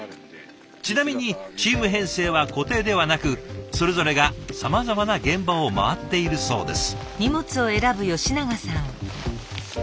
ちなみにチーム編成は固定ではなくそれぞれがさまざまな現場を回っているそうです。